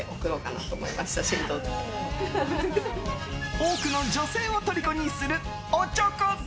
多くの女性をとりこにするおちょこ丼。